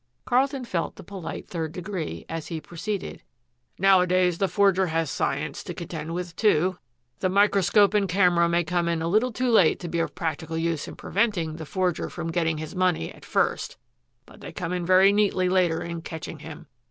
Carlton felt the polite third degree, as he proceeded: "Nowadays the forger has science to contend with, too. The microscope and camera may come in a little too late to be of practical use in preventing the forger from getting his money at first, but they come in very neatly later in catching him.